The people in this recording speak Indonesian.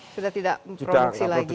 sudah tidak produksi lagi